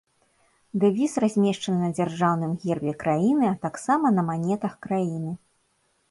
Дэвіз размешчаны на дзяржаўным гербе краіны, а таксама на манетах краіны.